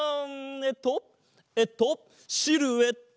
えっとえっとシルエット！